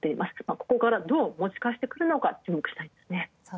ここからどう持ち返してくるのか注目したい。